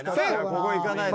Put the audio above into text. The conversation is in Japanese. ここいかないと。